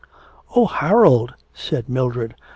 'Oh, Harold,' said Mildred....